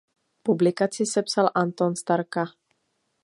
Publikaci sepsal Anton Starka.